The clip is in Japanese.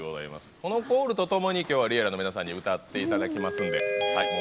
このコールとともに、きょうはＬｉｅｌｌａ！の皆さんに歌っていただきますので。